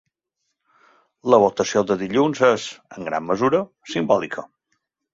La votació de dilluns és, en gran mesura, simbòlica.